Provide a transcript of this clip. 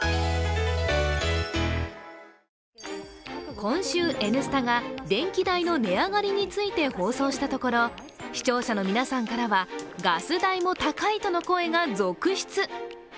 今週「Ｎスタ」が電気代の値上がりについて放送したところ視聴者の皆さんからはガス代も高いとの声が続出。